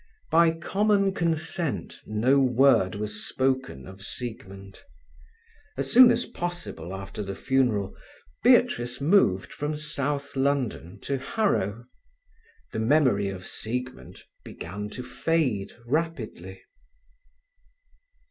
By common consent no word was spoken of Siegmund. As soon as possible after the funeral Beatrice moved from South London to Harrow. The memory of Siegmund began to fade rapidly.